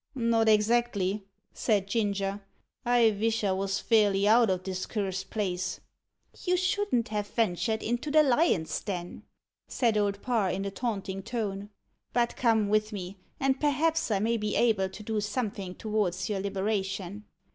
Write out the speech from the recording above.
"Not exactly," said Ginger. "I vish I wos fairly out o' this cursed place!" "You shouldn't have ventured into the lion's den," said Old Parr, in a taunting tone. "But come with me, and perhaps I may be able to do something towards your liberation."